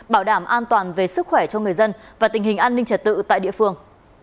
bảo đảm an toàn về sức khỏe cho người dân và tình hình an ninh trật tự tại địa phương